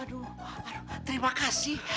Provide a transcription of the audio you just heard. aduh terima kasih